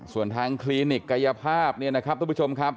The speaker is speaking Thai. ส่วนทางคลินิกกายภาพเนี่ยนะครับทุกผู้ชมครับ